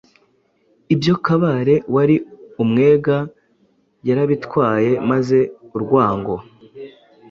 Ibyo Kabare wari umwega yarabitwaye maze urwango